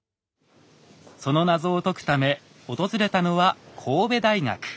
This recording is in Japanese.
その謎を解くため訪れたのは神戸大学。